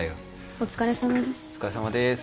お疲れさまです。